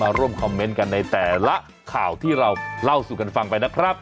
ร่วมคอมเมนต์กันในแต่ละข่าวที่เราเล่าสู่กันฟังไปนะครับ